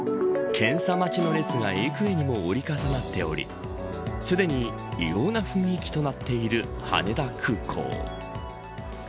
検査待ちの列が幾重にも折り重なっておりすでに異様な雰囲気となっている羽田空港。